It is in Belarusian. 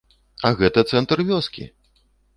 А гэта цэнтр вёскі!